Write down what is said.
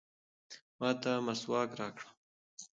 ما ته مسواک راکړه.